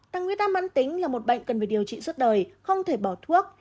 tăng nguyết áp mẫn tính là một bệnh cần phải điều trị suốt đời không thể bỏ thuốc